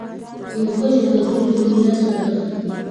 هندوکش د کلتوري میراث یوه برخه ده.